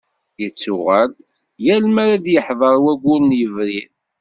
Yettuɣal-d yal mi ara d-yeḥḍer waggur n yebrir.